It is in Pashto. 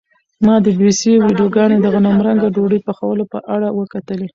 ما د بي بي سي ویډیوګانې د غنمرنګه ډوډۍ پخولو په اړه وکتلې.